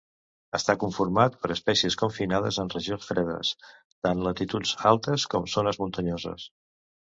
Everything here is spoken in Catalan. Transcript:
Està conformat per espècies confinades en regions fredes, tant latituds altes com zones muntanyoses.